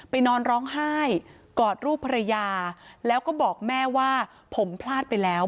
นอนร้องไห้กอดรูปภรรยาแล้วก็บอกแม่ว่าผมพลาดไปแล้ว